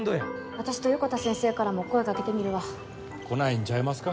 私と横田先生からも声かけてみるわ来ないんちゃいますか？